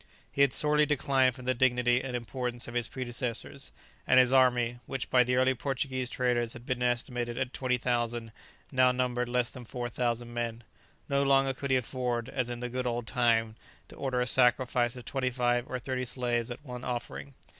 He had sorely declined from the dignity and importance of his predecessors, and his army, which by the early Portuguese traders had been estimated at 20,000, now numbered less than 4000 men; no longer could he afford, as in the good old time, to order a sacrifice of twenty five or thirty slaves at one offering.